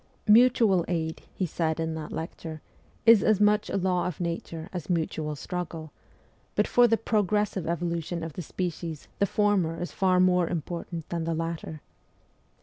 ' Mutual aid,' he said in that lecture, ' is as much a law of nature as mutual struggle ; but for the progressive evolution of the species the former is far more important than the latter.'